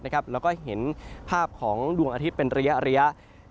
แล้วก็เห็นภาพของดวงอาทิตย์เป็นระยะ